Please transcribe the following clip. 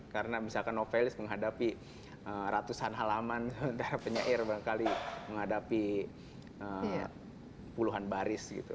karena misalkan novelis menghadapi ratusan salaman sementara penyair barangkali menghadapi puluhan baris gitu